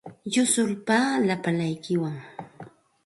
Yusulpaaqi lapalaykitsikta.